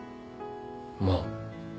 まあ。